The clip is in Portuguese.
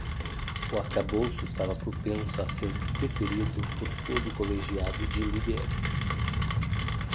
O arcabouço estava propenso a ser deferido por todo o colegiado de líderes